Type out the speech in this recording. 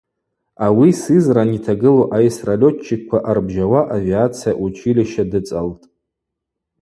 Ауи Сызрань йтагылу айсра летчикква ъарбжьауа авиация училища дыцӏалтӏ.